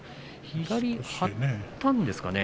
左、張ったんですかね。